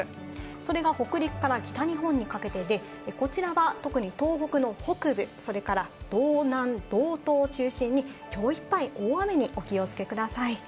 それが北陸から北日本にかけてで、こちらは特に東北の北部、それから道南、道東を中心にきょういっぱい、大雨にお気をつけください。